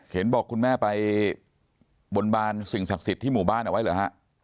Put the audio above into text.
เห็นบอกคุณแม่ไปบนบานสิ่งศักดิ์สิทธิ์ที่หมู่บ้านเอาไว้เหรอฮะ